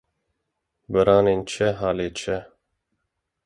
Beranên çi halê çi?